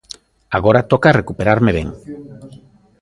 Agora toca recuperarme ben.